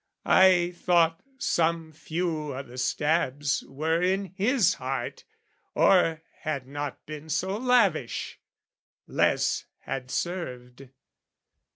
I thought some few o' the stabs were in his heart, Or had not been so lavish, less had served.